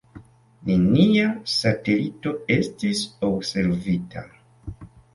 Nenia satelito estis observita.